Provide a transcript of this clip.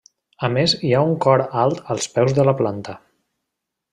A més hi ha un cor alt als peus de la planta.